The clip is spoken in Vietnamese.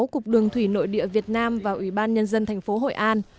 cục đường thủy nội địa việt nam và ủy ban nhân dân thành phố hội an